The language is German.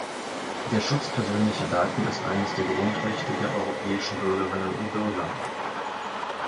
Der Schutz persönlicher Daten ist eines der Grundrechte der europäischen Bürgerinnen und Bürger.